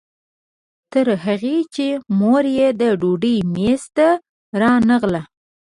تر هغې چې مور یې د ډوډۍ میز ته رانغله.